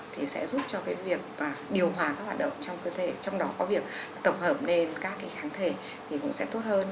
thì sẽ giúp cho cái việc điều hòa các hoạt động trong cơ thể trong đó có việc tổng hợp lên các cái kháng thể thì cũng sẽ tốt hơn